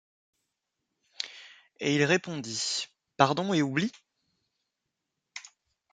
Et il répondit: — Pardon et oubli?